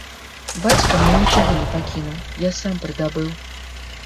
Бацька мне нічога не пакінуў, я сам прыдабыў.